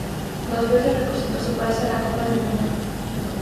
Dos veces representó a su país en la Copa del Mundo.